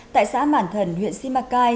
tại xã mản thần huyện simacai